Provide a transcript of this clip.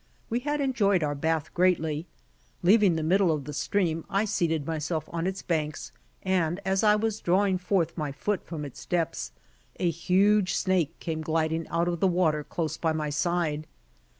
We had enjoyed our bath greatly. Leaving the middle of the stream. I seated myself on its banks and as I was drawing forth my foot from its depths, a huge snake came gliding out of the water close by my side.